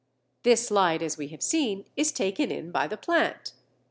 This light, as we have seen, is taken in by the plant.